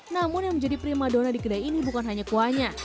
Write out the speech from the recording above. namun yang menjadi prima dona di kedai ini bukan hanya kuahnya